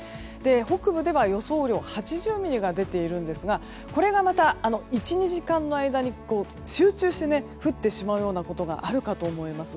北部では、予想雨量８０ミリが出ているんですがこれがまた、１２時間の間に集中して降ってしまうようなことがあるかと思います。